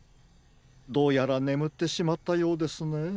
どうやらねむってしまったようですね。